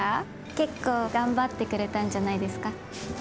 結構頑張ってくれたんじゃないですか？